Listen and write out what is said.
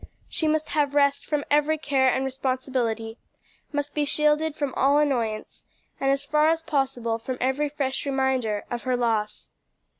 She must have rest from every care and responsibility, must be shielded from all annoyance, and as far as possible from every fresh reminder of her loss.